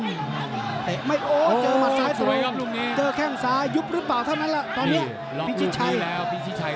เจอมัดซ้ายตรงเจอแข้งซ้ายยุบหรือเปล่าเท่านั้นแหละตอนนี้พี่ชิดชัย